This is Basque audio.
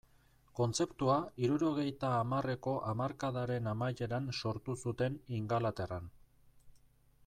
Kontzeptua hirurogeita hamarreko hamarkadaren amaieran sortu zuten Ingalaterran.